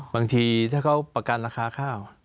บางทีถ้าเขาประกันราคาข้าว